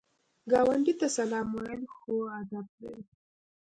ګاونډي ته سلام ویل ښو ادب دی